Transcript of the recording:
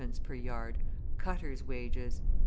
per yard, cutters' wages.